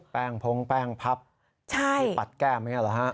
แป้งพงแป้งพับปัดแก้มนี่หรอฮะ